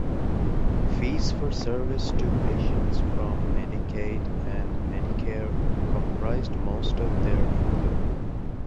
Fees for service to patients from Medicaid and Medicare comprised "most of" their income.